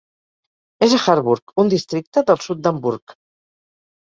És a Harburg, un districte del sud d'Hamburg.